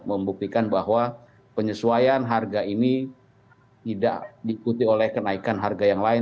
dan membuktikan bahwa penyesuaian harga ini tidak diikuti oleh kenaikan harga yang lain